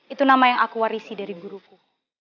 itu nama yang aku warisi dari guruku